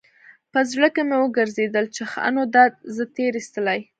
په زړه کښې مې وګرځېدل چې ښه نو دا زه تېر ايستلى.